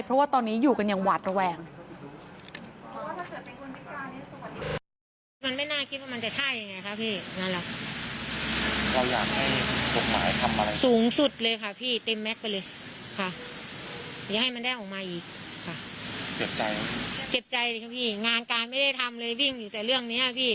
เพราะว่าตอนนี้อยู่กันอย่างหวาดระแวง